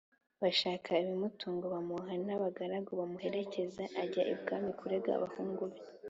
bashaka ibimutunga, bamuha n’abagaragu bamuherekeza ajya ibwami kurega abahungu be.